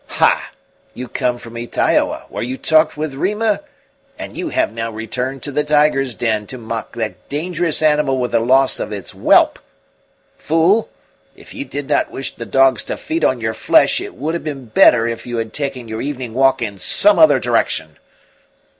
Ha! you come from Ytaioa, where you talked with Rima? And you have now returned to the tiger's den to mock that dangerous animal with the loss of its whelp. Fool, if you did not wish the dogs to feed on your flesh, it would have been better if you had taken your evening walk in some other direction."